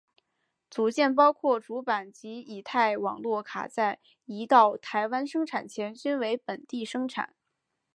组件包括主板及乙太网络卡在移到台湾生产前均为本地生产。